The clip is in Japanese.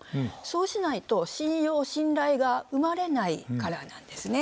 そうしないと信用信頼が生まれないからなんですね。